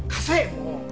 もう。